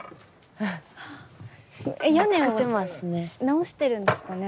屋根を直しているんですかね？